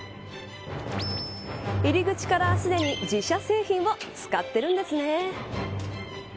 入り口から、すでに自社製品を使ってるんですね。